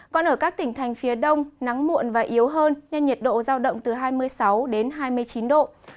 còn ở các tỉnh thành phía đông nắng muộn và yếu hơn nên nhiệt độ giao động từ hai mươi sáu đến hai mươi chín độ